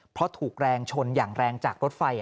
เพราะถูกแรงชนอย่างแรงจากรถไฟ